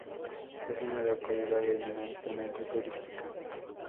Es una localidad eminentemente turística.